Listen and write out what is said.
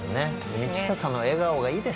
道下さんの笑顔がいいですね。